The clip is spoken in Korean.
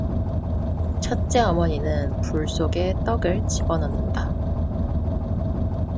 첫째 어머니는 불 속에 떡을 집어넣는다.